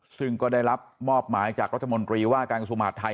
ซึ่งก็ได้รับมอบหมายจากรัฐมนตรีว่าการกระทรวงมหาดไทย